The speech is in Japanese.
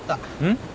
ん？